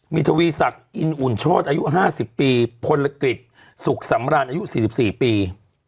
มีทวีศักดิ์อินอุ่นโชธอายุ๕๐ปีพลกฤษสุขสำราญอายุ๔๔ปี